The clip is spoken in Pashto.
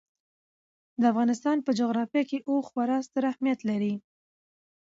د افغانستان په جغرافیه کې اوښ خورا ستر اهمیت لري.